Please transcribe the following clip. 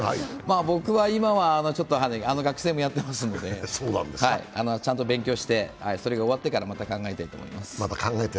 僕は今、学生もやっていますのでちゃんと勉強して、それが終わってからまた考えます。